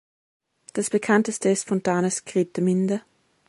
Das bekannteste ist Fontanes "Grete Minde".